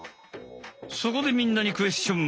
そこでみんなにクエスチョン！